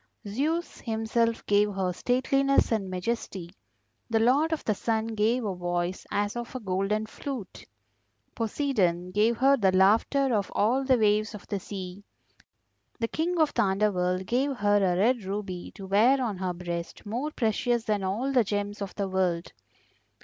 Zeus himself gave her stateliness and majesty, the Lord of the Sun gave a voice as of a golden flute; Poseidon gave her the laughter of all the waves of the sea, the King of the Underworld gave her a red ruby to wear on her breast more precious than all the gems of the world.